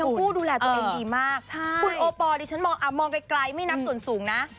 ผู้ดูแลตัวเองดีมากคุณโอปอลดิฉันมองไกลไม่นับส่วนสูงนะ